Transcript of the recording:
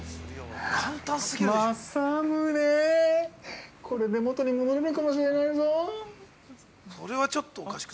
まさむね、これで元に戻れるかもしれないぞ。